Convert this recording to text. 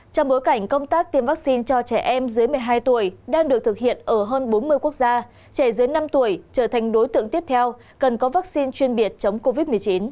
trong bối cảnh công tác tiêm vaccine cho trẻ em dưới một mươi hai tuổi đang được thực hiện ở hơn bốn mươi quốc gia trẻ dưới năm tuổi trở thành đối tượng tiếp theo cần có vaccine chuyên biệt chống covid một mươi chín